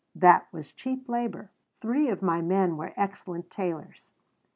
That was cheap labor Three of my men were excellent tailors.